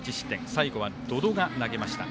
最後は百々が投げました。